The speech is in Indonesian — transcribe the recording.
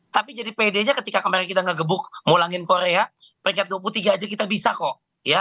tapi jadi pede nya ketika kemarin kita ngegebuk ngulangin korea peringkat dua puluh tiga aja kita bisa kok